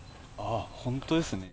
ああ、本当ですね。